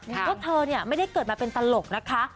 ก็เธอเนี่ยไม่ได้เกิดมาเป็นตลกนะคะ